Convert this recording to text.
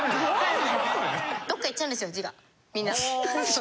みんな。